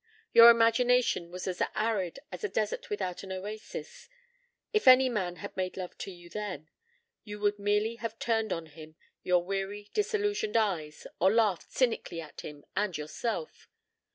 Your imagination was as arid as a desert without an oasis. If any man had made love to you then, you would merely have turned on him your weary disillusioned eyes, or laughed cynically at him and yourself.